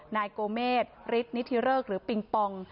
นายโกเมธฤิษฐ์นิธิฤกษ์หรือปิงปอง